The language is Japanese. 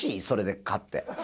それで勝って。